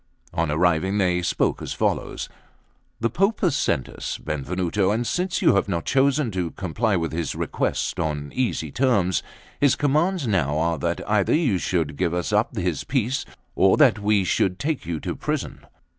On arriving they spoke as follows: The Pope hath sent us. Benvenuto; and since you have not chosen to comply with his request on easy terms, his commands now are that either you should give us up his piece, or that we should take you to prison."